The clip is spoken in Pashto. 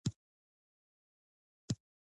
یو سل او لومړۍ پوښتنه د غړو عزل دی.